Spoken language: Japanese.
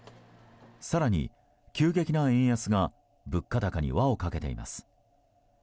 更に、急激な円安が物価高に輪をかけています。